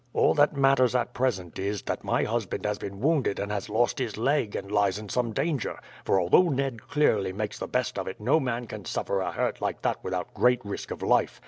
All that matters at present is, that my husband has been wounded and has lost his leg, and lies in some danger; for although Ned clearly makes the best of it, no man can suffer a hurt like that without great risk of life.